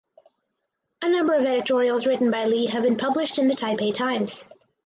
A number of editorials written by Lee have been published in the "Taipei Times".